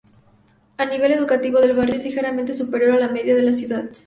El nivel educativo del barrio es ligeramente superior a la media de la ciudad.